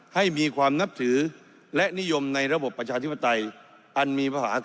ให้มีความนับถือและนิยมในระบบประชาธิปไตย